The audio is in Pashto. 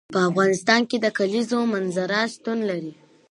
په افغانستان کې د کلیزو منظره شتون لري.